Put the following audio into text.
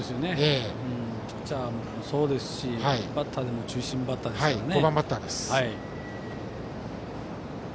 ピッチャーもそうですしバッターでも中心バッターですからね。